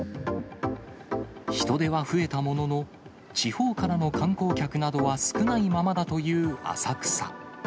人出は増えたものの、地方からの観光客などは少ないままだという浅草。